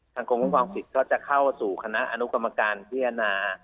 กรมคุ้มครองสิทธิ์ก็จะเข้าสู่คณะอนุกรรมการพิจารณา